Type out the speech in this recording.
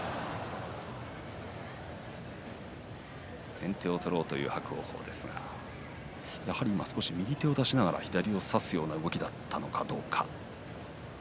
先手を取ろうという伯桜鵬ですが、右手を出しながら左を差すような動きだったのかどうか。